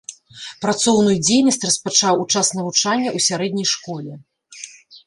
Працоўную дзейнасць распачаў у час навучання ў сярэдняй школе.